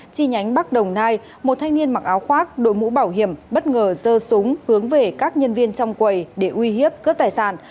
chi nhánh bắc đồng nai một thanh niên mặc áo khoác đội mũ bảo hiểm bất ngờ rơi xuống hướng về các nhân viên trong quầy để uy hiếp cướp tài sản